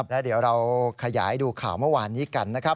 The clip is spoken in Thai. แล้วเดี๋ยวเราขยายดูข่าวเมื่อวานนี้กันนะครับ